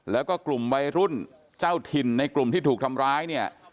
แล้วก็กลุ่มวัยรุ่นเจ้าถิ่นในกลุ่มที่ถูกทำร้ายเนี่ย